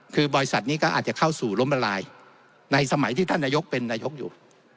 คือบริษัทนี้ก็อาจจะเข้าสู่ล้มละลายในสมัยที่ท่านนายกเป็นนายกอยู่